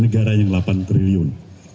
negara yang delapan triliun